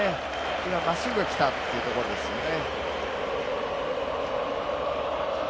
今まっすぐ来たというところですよね。